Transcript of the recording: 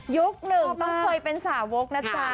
หนึ่งต้องเคยเป็นสาวกนะจ๊ะ